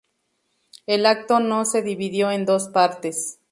El acto se dividió en dos partes.